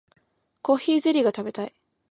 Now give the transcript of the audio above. コーヒーゼリーが食べたい